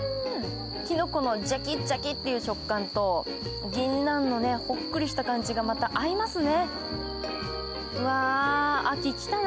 きのこのジャキジャキという食感とぎんなんのほっくりした感じがまた合いますね。